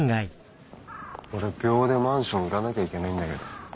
俺秒でマンション売らなきゃいけないんだけど。